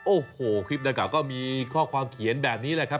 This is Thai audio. โอ้โหคลิปดังกล่าก็มีข้อความเขียนแบบนี้แหละครับ